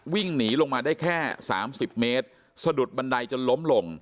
วิ่งหนีลงมาได้แค่สามสิบเมตรสะดุดบันไดจนล้มลง